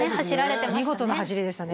見事な走りでしたね